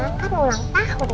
iya ya maka ulang tahun ya